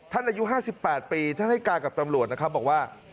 อายุ๕๘ปีท่านให้การกับตำรวจนะครับบอกว่า